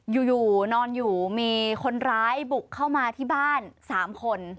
อยู่นอนอยู่มีคนร้ายบุกเข้ามาที่บ้าน๓คน